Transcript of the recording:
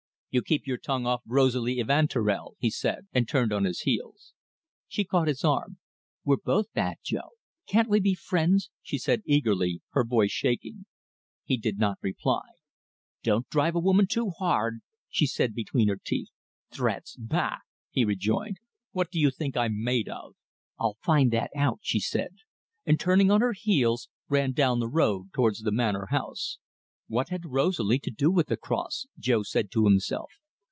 "You keep your tongue off Rosalie Evanturel," he said, and turned on his heel. She caught his arm. "We're both bad, Jo. Can't we be friends?" she said eagerly, her voice shaking. He did not reply. "Don't drive a woman too hard," she said between her teeth. "Threats! Pah!" he rejoined. "What do you think I'm made of?" "I'll find that out," she said, and, turning on her heel, ran down the road towards the Manor House. "What had Rosalie to do with the cross?" Jo said to himself.